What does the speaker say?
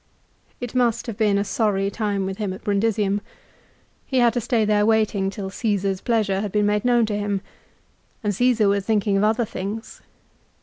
It must have been a sorry time with him at Brundisium. He had to stay there waiting till Caesar's pleasure had been made known to him, and Csesar was thinking of other things.